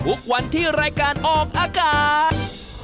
ทุกวันที่รายการออกอากาศ